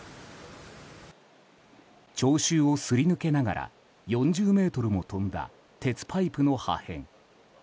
聴衆をすり抜けながら４０ｍも飛んだ鉄パイプの破片。